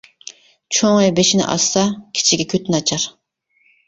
چوڭى بېشىنى ئاچسا، كىچىكى كۆتىنى ئاچار.